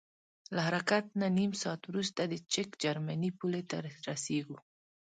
له حرکت نه نیم ساعت وروسته د چک جرمني پولې ته رسیږو.